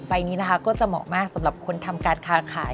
ใบนี้นะคะก็จะเหมาะมากสำหรับคนทำการค้าขาย